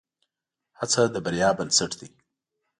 هڅه د بریا بنسټ دی.